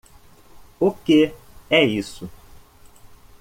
O que é isso?